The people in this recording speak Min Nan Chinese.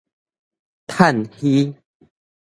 趁墟